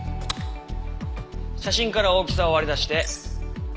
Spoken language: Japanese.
写真から大きさを割り出して。